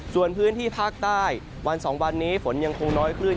ส่วนพื้นที่ภาคใต้วัน๒วันนี้ฝนยังคงน้อยคลื่น